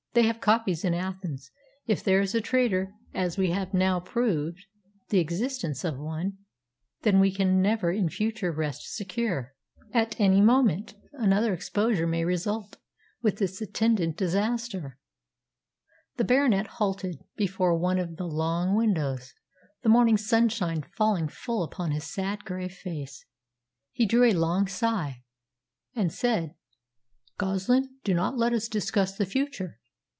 They have the copies in Athens. If there is a traitor as we have now proved the existence of one then we can never in future rest secure. At any moment another exposure may result, with its attendant disaster." The Baronet halted before one of the long windows, the morning sunshine falling full upon his sad, grey face. He drew a long sigh and said, "Goslin, do not let us discuss the future.